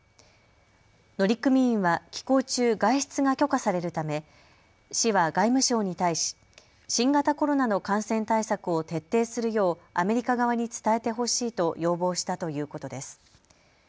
乗組員は寄港中、外出が許可されるため市は外務省に対し新型コロナの感染対策を徹底するようアメリカ側に伝えてほしいと要望したということです。